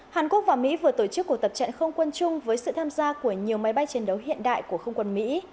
hàn quốc và mỹ vừa tổ chức cuộc tập trận không quân chung với sự tham gia của nhiều máy bay chiến đấu hiện đại của không quân mỹ